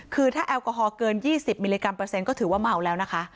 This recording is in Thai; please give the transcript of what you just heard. คือถ้าแอลกอฮอลเกิน๒๐มิลลิกรัมเปอร์เซ็นก็ถือว่าเมาแล้วนะคะ